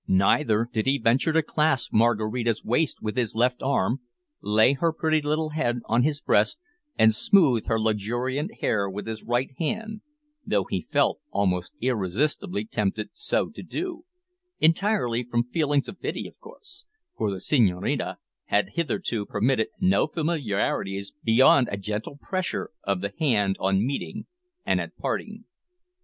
Neither did he venture to clasp Maraquita's waist with his left arm, lay her pretty little head on his breast and smooth her luxuriant hair with his right hand, though he felt almost irresistibly tempted so to do entirely from feelings of pity, of course, for the Senhorina had hitherto permitted no familiarities beyond a gentle pressure of the hand on meeting and at parting.